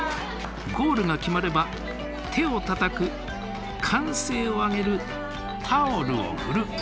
ゴールが決まれば手をたたく歓声を上げるタオルを振る。